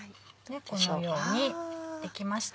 このようにできました。